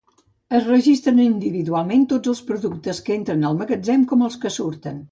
Es registren individualment tots els productes que entren al magatzem com els que surten.